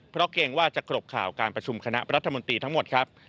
เพราะเกรงว่าจะกรบข่าวการประชุมคณะรัฐมนตรีทั้งหมดครับ